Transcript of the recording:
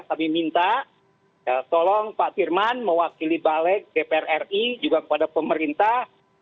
kami minta tolong pak firman mewakili balik dpr ri juga kepada pemerintah